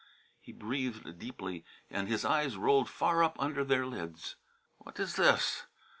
He breathed deeply and his eyes rolled far up under their lids. "What is this?